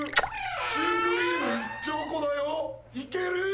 シュークリーム１兆個だよ行ける？